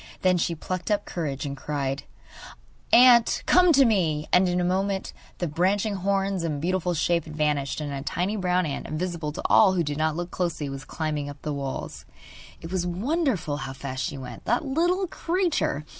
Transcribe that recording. Then she plucked up courage and cried: 'Ant, come to me!' And in a moment the branching horns and beautiful shape had vanished, and a tiny brown ant, invisible to all who did not look closely, was climbing up the walls. It was wonderful how fast she went, that little creature!